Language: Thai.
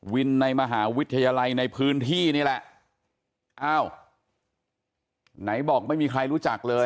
ในมหาวิทยาลัยในพื้นที่นี่แหละอ้าวไหนบอกไม่มีใครรู้จักเลย